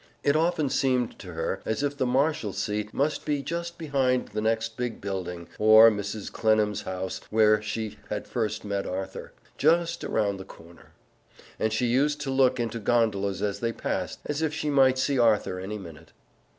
It often seemed to her as if the Marshalsea must be just behind the next big building, or Mrs. Clennam's house, where she had first met Arthur, just around the next corner. And she used to look into gondolas as they passed, as if she might see Arthur any minute.